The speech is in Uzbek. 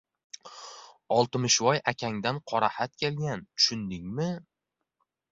Oltmishvoy akangdan qoraxat kelgan, tushundingmi?